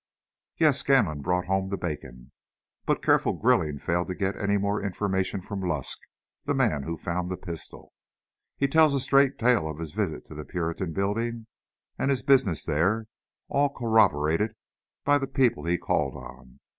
"Yes; Scanlon brought home that bacon. But careful grilling failed to get any more information from Lusk, the man who found the pistol. He tells a straight tale of his visit to the Puritan Building, and his business there, all corroborated by the people he called on.